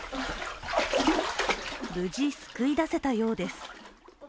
無事救い出せたようです。